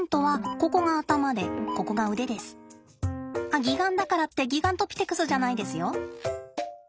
あっ擬岩だからってギガントピテクスじゃないですよ。